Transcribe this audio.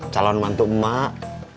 calon mantuk mak